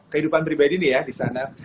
kehidupan pribadi nih ya di sana